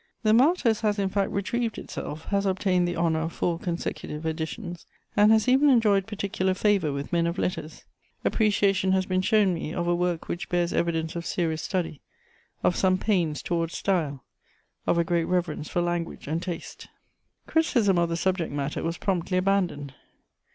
The Martyrs has, in fact, retrieved itself, has obtained the honour of four consecutive editions, and has even enjoyed particular favour with men of letters: appreciation has been shown me of a work which bears evidence of serious study, of some pains towards style, of a great reverence for language and taste. [Sidenote: Its reception.] Criticism of the subject matter was promptly abandoned.